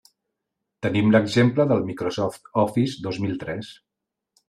Tenim l'exemple del Microsoft Office dos mil tres.